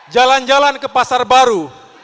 jalan jalan ke pasar baru